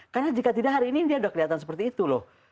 karena jika tidak hari ini india udah kelihatan seperti itu loh